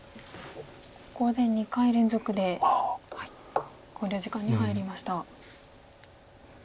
ここで２回連続で考慮時間に入りました。